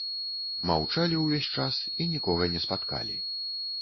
Маўчалі ўвесь час і нікога не спаткалі.